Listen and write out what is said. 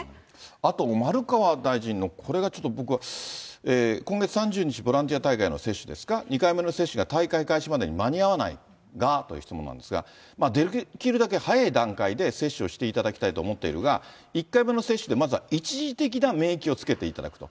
あと丸川大臣のこれがちょっと僕は、今月３０日、ボランティア大会の接種ですか、２回目の接種が大会開始までに間に合わないがという質問なんですが、できるだけ早い段階で接種をしていただきたいと思っているが、１回目の接種で、まずは１次的な免疫をつけていただくと。